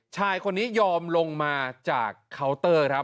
ชายคนนี้ยอมลงมาจากเคาน์เตอร์ครับ